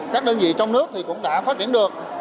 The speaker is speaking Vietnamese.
các đơn vị trong nước thì cũng đã phát triển được